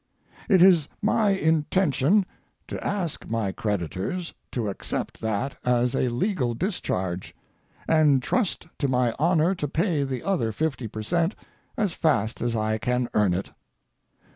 "It is my intention to ask my creditors to accept that as a legal discharge, and trust to my honor to pay the other fifty per cent. as fast as I can earn it.